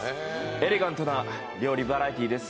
エレガントな料理バラエティーです